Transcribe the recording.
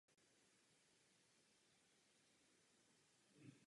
Jsou ztělesněním základních hodnot Evropské unie.